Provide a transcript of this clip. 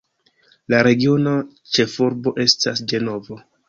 La regiona ĉefurbo estas Ĝenovo.